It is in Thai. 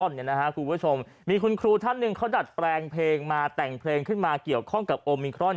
คุณผู้ชมมีคุณครูท่านหนึ่งเขาดัดแปลงเพลงมาแต่งเพลงขึ้นมาเกี่ยวข้องกับโอมิครอน